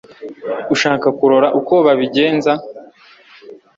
Ushaka kurora ukwo babigenza